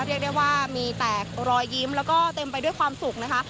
เรียกได้ว่ามีแต่รอยยิ้มแล้วก็เต็มไปด้วยความสุขนะคะ